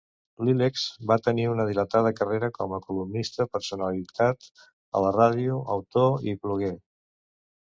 Lileks va tenir una dilatada carrera com a columnista, personalitat a la ràdio, autor i bloguer.